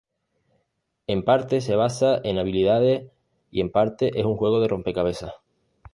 En parte se basa en habilidades y en parte es un juego de rompecabezas.